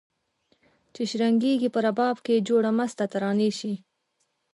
چي شرنګیږي په رباب کي جوړه مسته ترانه سي